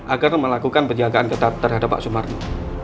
agar melakukan penjagaan ketat terhadap pak sumarno